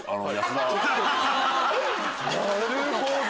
なるほど！